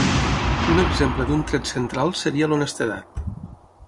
Un exemple d'un tret central seria l'honestedat.